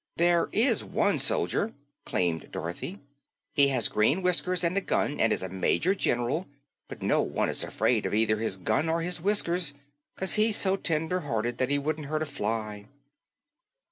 "There is one soldier," claimed Dorothy. "He has green whiskers and a gun and is a Major General, but no one is afraid of either his gun or his whiskers, 'cause he's so tender hearted that he wouldn't hurt a fly."